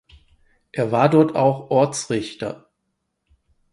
Er war dort auch Ortsrichter.